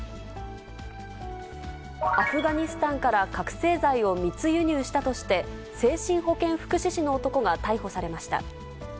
アフガニスタンから覚醒剤を密輸入したとして、精神保健福祉士の男が逮捕されました。